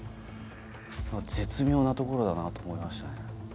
絶妙なところだなと思いましたね。